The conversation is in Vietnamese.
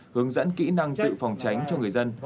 hướng dẫn kỹ năng tự phòng tránh cho người dân